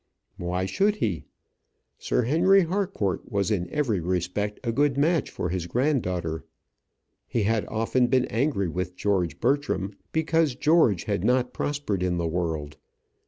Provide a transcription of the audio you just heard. Why should he? Sir Henry Harcourt was in every respect a good match for his granddaughter. He had often been angry with George Bertram because George had not prospered in the world.